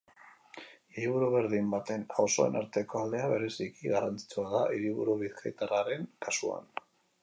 Hiriburu berdin bateko auzoen arteko aldea bereziki garrantzitsua da hiriburu bizkaitarraren kasuan.